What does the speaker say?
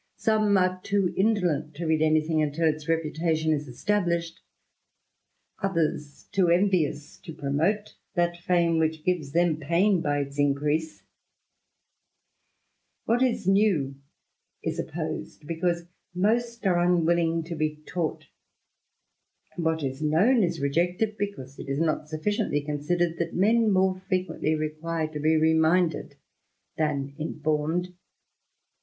Some are too indolent to read anything till its reputation is established ; others too envious to promote that fame which gives them pain by its increase; What is new is opposed, because most are unwilling to be l anghti an d what is known is rejected, ^feecause it is not sufficiently coiTBideicd tbat memnqre frequently require to be reminded than informed.